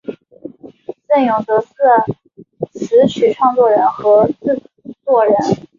振永则是词曲创作人和制作人。